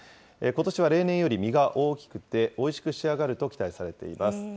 ことしは例年より実が大きくて、おいしく仕上がると期待されています。